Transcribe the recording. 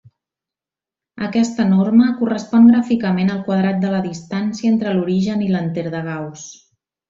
Aquesta norma correspon gràficament al quadrat de la distància entre l'origen i l'enter de Gauss.